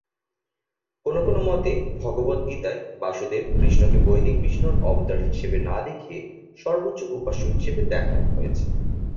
কোনো কোনো মতে, ভগবদ্গীতায় বাসুদেব-কৃষ্ণকে বৈদিক বিষ্ণুর অবতার হিসেবে না দেখিয়ে সর্বোচ্চ উপাস্য হিসেবে দেখানো হয়েছে।